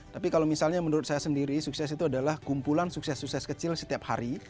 tapi kalau misalnya menurut saya sendiri sukses itu adalah kumpulan sukses sukses kecil setiap hari